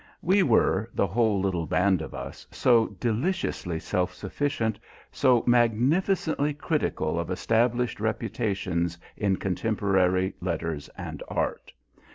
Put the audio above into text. We were, the whole little band of us, so deliciously self sufficient, so magnificently critical of established reputations in contemporary letters and art.